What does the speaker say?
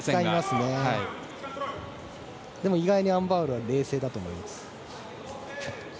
でも、意外にアン・バウルは冷静だと思います。